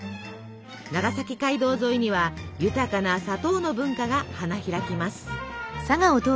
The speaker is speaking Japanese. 長崎街道沿いには豊かな砂糖の文化が花開きます。